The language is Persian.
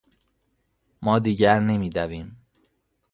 ما دیگر نمی دویم.